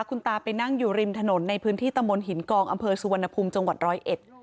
คุณตาไปนั่งอยู่ริมถนนในพื้นที่ตะมนตหินกองอำเภอสุวรรณภูมิจังหวัดร้อยเอ็ด